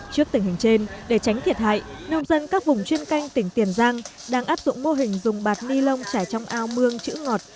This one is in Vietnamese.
trước tình hình trên để tránh thiệt hại nông dân các vùng chuyên canh tỉnh tiền giang đang áp dụng mô hình dùng bạt ni lông trải trong ao mương chữ ngọt